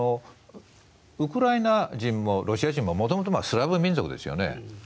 ウクライナ人もロシア人ももともとスラヴ民族ですよね。